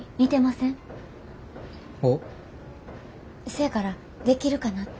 せやからできるかなって。